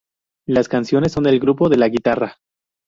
Las canciones son del grupo, de la guitarra.